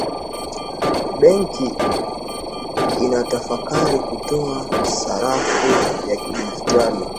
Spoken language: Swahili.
Benki inatafakari kutoa sarafu ya kidigitali